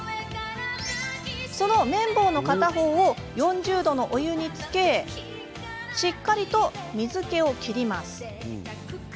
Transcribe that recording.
その綿棒の片方を４０度のお湯につけしっかりと水けを切ります。